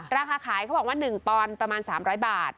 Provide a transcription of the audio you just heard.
ราคาขายเขาบอกว่า๑ปอนด์ประมาณ๓๐๐บาท